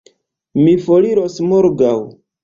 Mi foriros morgaŭ.